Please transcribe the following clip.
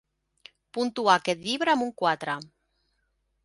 puntuar aquest llibre amb un quatre